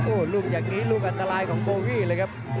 โอ้โหลูกอย่างนี้ลูกอันตรายของโบวี่เลยครับ